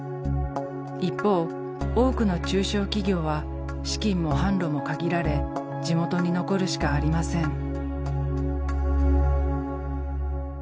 一方多くの中小企業は資金も販路も限られ地元に残るしかありません。